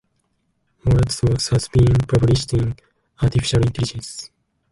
Moratz’s work has been published in "Artificial Intelligence".